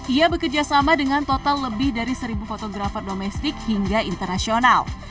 ia bekerjasama dengan total lebih dari seribu fotografer domestik hingga internasional